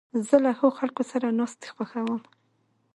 زه له ښو خلکو سره ناستې خوښوم.